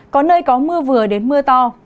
có nơi có mưa vừa đến mưa to